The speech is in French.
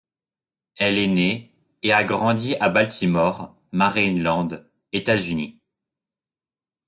Elle est née et a grandi à Baltimore, Maryland, États-Unis.